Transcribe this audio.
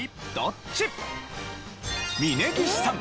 峯岸さん